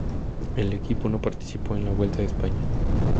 El equipo no participó en la Vuelta a España.